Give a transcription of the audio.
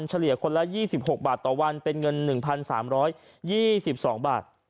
เฉลี่ยคนละ๒๖บาทต่อวันเป็นเงิน๑๓๒๒บาท